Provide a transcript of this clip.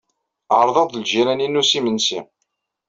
Ɛerḍeɣ-d ljiran-inu s imensi.